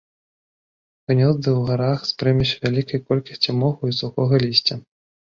Гнёзды ў гарах з прымессю вялікай колькасці моху і сухога лісця.